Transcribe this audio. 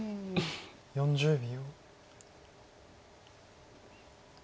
４０秒。